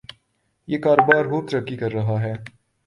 یہ کاروبار خوب ترقی کر رہا ہے۔